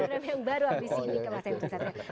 program yang baru habis ini